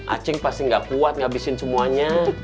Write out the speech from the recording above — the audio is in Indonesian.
acing pasti gak kuat ngabisin semuanya